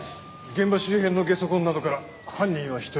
現場周辺のゲソ痕などから犯人は１人。